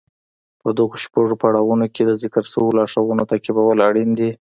په دغو شپږو پړاوونو کې د ذکر شويو لارښوونو تعقيبول اړين دي.